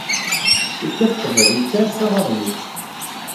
Yekkat ṭṭbel, yettɛassa aɣyul.